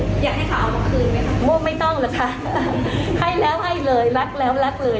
อยากให้เขาเอาคืนไหมคะไม่ต้องนะคะให้แล้วให้เลยรักแล้วรักเลย